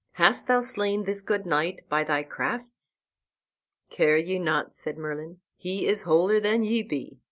hast thou slain this good knight by thy crafts?" "Care ye not," said Merlin; "he is wholer than ye be.